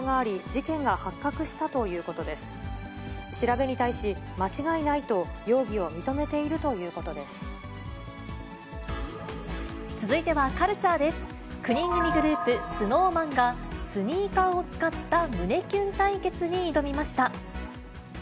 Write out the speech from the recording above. ９人組グループ、ＳｎｏｗＭａｎがスニーカーを使った胸キュン対決に挑みました。